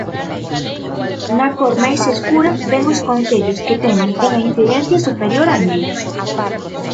Na cor máis escura ven os concellos que teñen unha incidencia superior a mil.